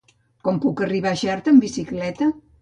Com puc arribar a Xerta amb bicicleta?